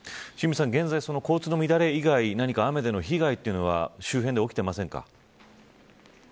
現在、交通の乱れ以外に何か雨の被害は周辺で起きていませんか。